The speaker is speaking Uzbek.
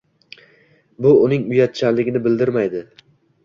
– bu uning uyatchanligini bildirmaydi.